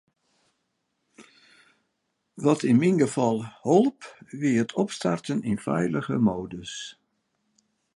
Wat yn myn gefal holp, wie it opstarten yn feilige modus.